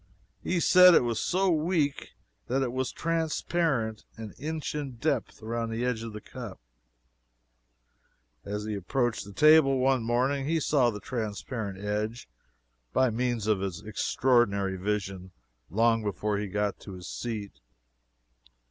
He said it was so weak that it was transparent an inch in depth around the edge of the cup. As he approached the table one morning he saw the transparent edge by means of his extraordinary vision long before he got to his seat.